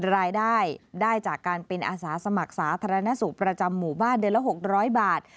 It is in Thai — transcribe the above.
รายได้ได้จากการเป็นอาสาสมัครสาธารณสุขประจำหมู่บ้านเดือนละ๖๐๐บาท